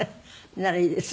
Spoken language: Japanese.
ならいいです。